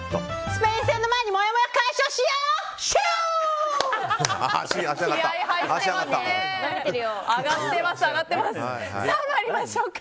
スペイン戦の前にもやもや解消しよう！